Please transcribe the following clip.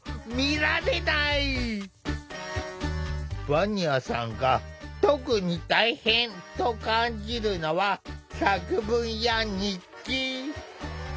ヴァニアさんが「特に大変！」と感じるのは作文や日記。